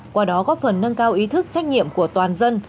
qua đó góp phần nâng cao ý thức trách nhiệm của toàn dân